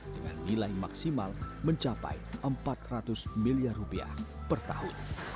dengan nilai maksimal mencapai empat ratus miliar rupiah per tahun